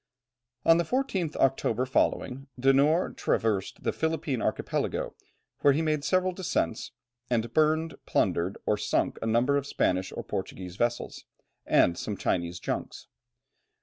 On the 14th October following, De Noort traversed the Philippine Archipelago, where he made several descents, and burnt, plundered, or sunk a number of Spanish or Portuguese vessels, and some Chinese junks.